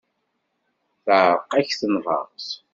Teεreq-ak tenhert.